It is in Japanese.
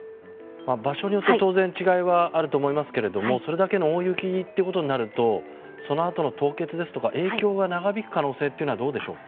場所によって当然違いはあると思いますけどそれだけの大雪ということになるとそのあとの凍結ですとか影響が長引く可能性というのはどうでしょう？